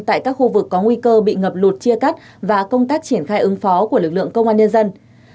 tại các khu vực có nguy cơ bị ngập lụt chia cắt và công tác triển khai ứng phó của lực lượng công an nhân dân